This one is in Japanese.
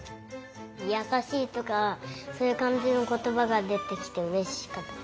やさしいとかそういうかんじのことばがでてきてうれしかった。